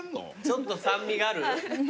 ちょっと酸味がある？